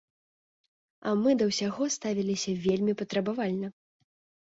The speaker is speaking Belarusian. А мы да ўсяго ставіліся вельмі патрабавальна!